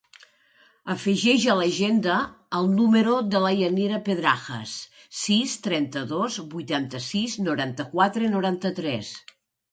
Afegeix a l'agenda el número de la Yanira Pedrajas: sis, trenta-dos, vuitanta-sis, noranta-quatre, noranta-tres.